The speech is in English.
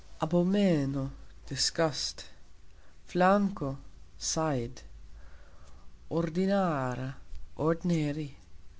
abomeno : disgust. flanko : side. ordinara : ordinary.